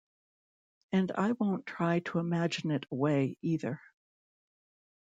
And I won’t try to imagine it away, either.